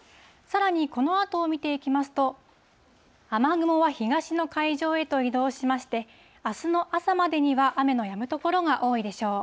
さらにこのあとを見ていきますと、雨雲は東の海上へと移動しまして、あすの朝までには雨のやむ所が多いでしょう。